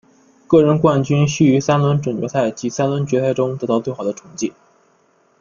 个人冠军需于三轮准决赛及三轮决赛中得到最好的成绩。